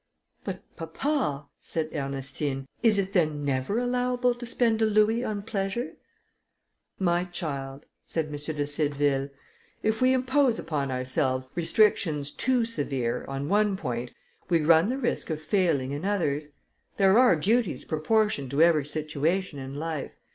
"But, papa," said Ernestine, "is it then never allowable to spend a louis on pleasure?" "My child," said M. de Cideville, "if we impose upon ourselves restrictions too severe, on one point, we run the risk of failing in others. There are duties proportioned to every situation in life.